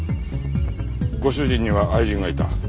ご主人には愛人がいた。